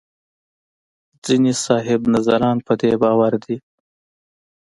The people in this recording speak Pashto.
ځینې صاحب نظران په دې باور دي.